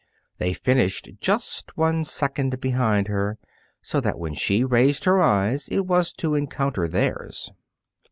They finished just one second behind her, so that when she raised her eyes it was to encounter theirs.